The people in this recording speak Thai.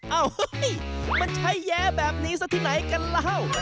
เอ้าเฮ้ยมันใช้แย้แบบนี้ซะที่ไหนกันเล่า